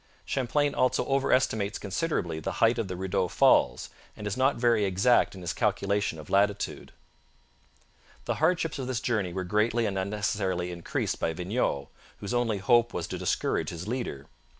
Champlain also over estimates considerably the height of the Rideau Falls and is not very exact in his calculation of latitude. The hardships of this journey were greatly and unnecessarily increased by Vignau, whose only hope was to discourage his leader.